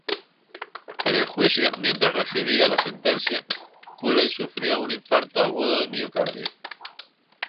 En el juicio, mientras recibía la sentencia, Cooley sufrió un infarto agudo de miocardio.